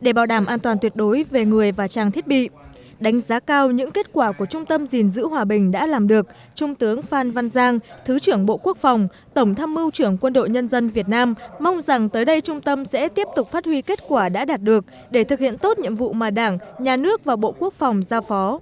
để bảo đảm an toàn tuyệt đối về người và trang thiết bị đánh giá cao những kết quả của trung tâm gìn giữ hòa bình đã làm được trung tướng phan văn giang thứ trưởng bộ quốc phòng tổng tham mưu trưởng quân đội nhân dân việt nam mong rằng tới đây trung tâm sẽ tiếp tục phát huy kết quả đã đạt được để thực hiện tốt nhiệm vụ mà đảng nhà nước và bộ quốc phòng giao phó